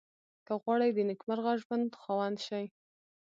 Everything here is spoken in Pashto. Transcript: که غواړئ د نېکمرغه ژوند خاوند شئ.